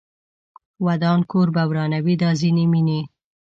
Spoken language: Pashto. ودان کور به ورانوي دا ځینې مینې